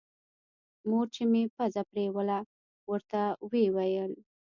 مور چې مې پزه پرېوله ورته ويې ويل.